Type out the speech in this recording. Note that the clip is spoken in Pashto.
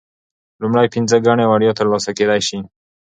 لومړۍ پنځه ګڼې وړیا ترلاسه کیدی شي.